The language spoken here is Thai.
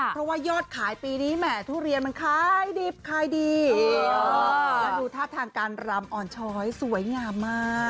เพราะว่ายอดขายปีนี้แหมทุเรียนมันขายดิบขายดีแล้วดูท่าทางการรำอ่อนช้อยสวยงามมาก